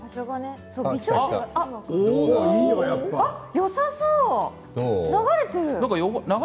よさそう、流れている。